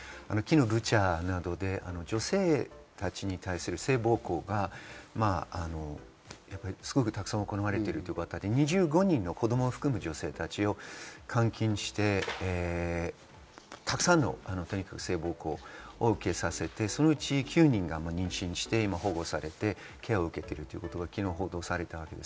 昨日、ブチャなどで女性たちに対する性暴行がすごくたくさん行われているということで２５人の子供を含む女性たちを監禁してたくさんの性暴行を受けさせて、そのうち９人が妊娠して、保護されて、ケアを受けているということが報道されました。